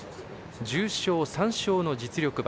重賞３勝の実力馬。